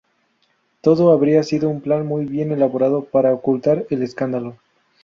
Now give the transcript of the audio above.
Todo habría sido un plan muy bien elaborado para ocultar el escándalo.